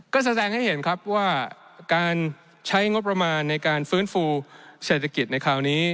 ก็แสดงให้เห็นครับว่าการใช้งบประมาณในการฟื้นฟูเศรษฐกิจในคราวนี้